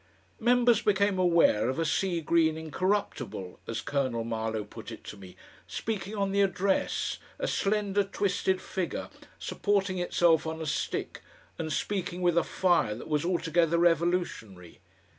Members became aware of a "seagreen incorruptible," as Colonel Marlow put it to me, speaking on the Address, a slender twisted figure supporting itself on a stick and speaking with a fire that was altogether revolutionary.